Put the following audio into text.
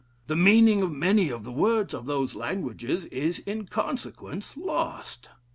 The meaning of many of the words of those languages is, in consequence, lost.